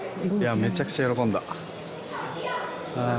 めちゃくちゃ喜んだあぁ